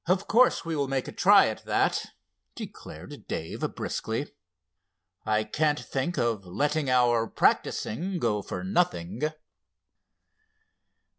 "Of course we will make a try at that," declared Dave, briskly. "I can't think of letting our practicing go for nothing."